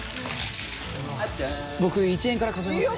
僕１円から数えますね。